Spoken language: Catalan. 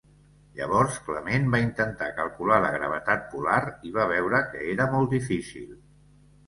Llavors Clement va intentar calcular la gravetat polar i va veure que era molt difícil.